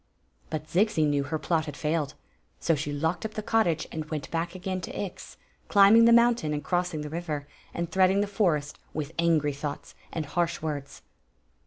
But Zixi knew her plot had failed ; so she locked up the cottage and went back again to Ix, climbing the mountain and crossing the river and threading Story of the Magic Cloak the forest with angry thoughts and harsh words.